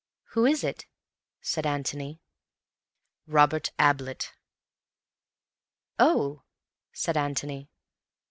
"Who is it?" said Antony. "Robert Ablett." "Oh!" said Antony.